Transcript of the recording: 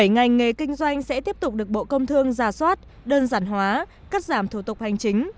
bảy ngành nghề kinh doanh sẽ tiếp tục được bộ công thương giả soát đơn giản hóa cắt giảm thủ tục hành chính